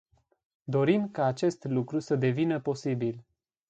Dorim ca acest lucru să devină posibil.